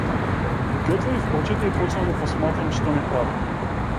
Ги отворив очите и почнав да посматрам што ми прави.